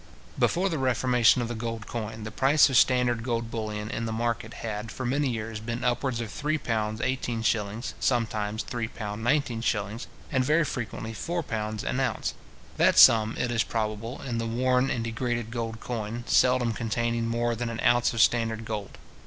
Before the reformation of the gold coin, the price of standard gold bullion in the market had, for many years, been upwards of £3:18s. sometimes £ 3:19s, and very frequently £4 an ounce; that sum, it is probable, in the worn and degraded gold coin, seldom containing more than an ounce of standard gold.